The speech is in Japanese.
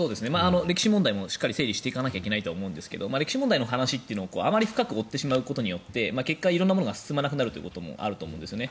歴史問題もしっかり整理していかないといけないと思いますが歴史問題の話というのをあまり深く追ってしまうことによって結果、色んなものが進まなくなることもあると思うんですね。